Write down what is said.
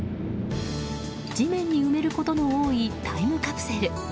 地面に埋めることも多いタイムカプセル。